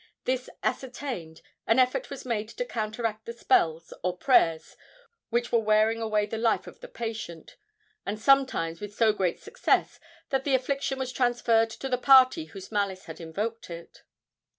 This ascertained, an effort was made to counteract the spells or prayers which were wearing away the life of the patient, and sometimes with so great success that the affliction was transferred to the party whose malice had invoked it.